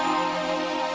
jangan sabar ya rud